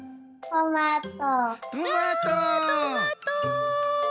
トマト！